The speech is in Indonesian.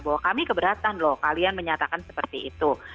bahwa kami keberatan loh kalian menyatakan seperti itu